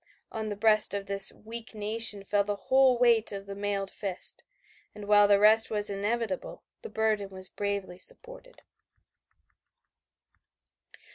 On the breast of this weak nation fell the whole weight of the mailed fist, and while the result was inevitable the burden was bravely supported.